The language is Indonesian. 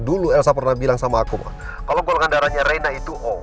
dulu elsa pernah bilang sama aku ma kalau golongan darahnya rena itu o